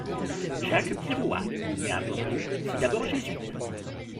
Jacques Biroat, né à Bordeaux, fut d'abord jésuite.